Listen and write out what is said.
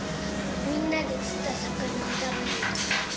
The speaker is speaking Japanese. みんなで釣った魚を食べられたから。